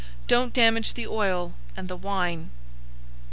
Don't damage the oil and the wine!"